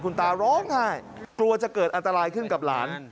คุณตาร้องไห้กลัวจะเกิดอันตรายขึ้นกับหลาน